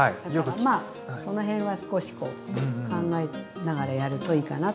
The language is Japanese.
まあその辺は少しこう考えながらやるといいかなと思いますね。